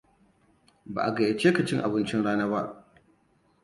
Ba a gayyace ka cin abincin rana ba.